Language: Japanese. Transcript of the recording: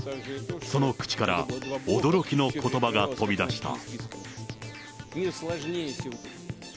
その口から、驚きのことばが飛び出した。